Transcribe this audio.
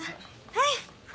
はい。